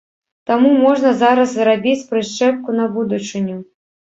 Таму можна зараз зрабіць прышчэпку на будучыню.